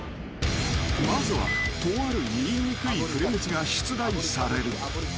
［まずはとある言いにくいフレーズが出題される］